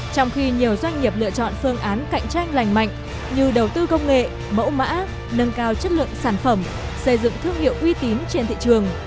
trong khi nhiều doanh nghiệp lựa chọn phương án cạnh tranh lành mạnh như đầu tư công nghệ mẫu mã nâng cao chất lượng sản phẩm xây dựng thương hiệu uy tín trên thị trường